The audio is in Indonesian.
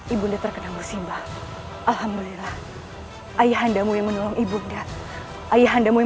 ibu terkenal musim alhamdulillah ayah anda yang menolong ibu ayah anda mau